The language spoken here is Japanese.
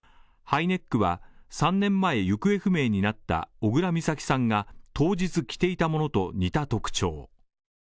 ハイネックは３年前行方不明になった小倉美咲さんが当日着ていたものと似た特徴。